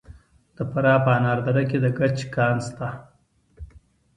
د فراه په انار دره کې د ګچ کان شته.